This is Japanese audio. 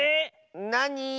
なに？